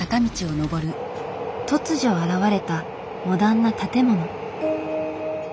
突如現れたモダンな建物。